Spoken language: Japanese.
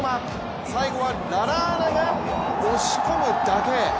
最後はララーナが押し込むだけ。